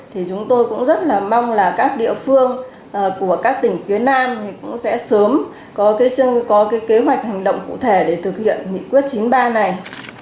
thì chúng tôi cũng rất là mong là các địa phương của các tỉnh phía nam cũng sẽ sớm có cái kế hoạch hành động cụ thể để thực hiện nghị quyết chín mươi ba này